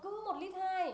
một cú một lít hai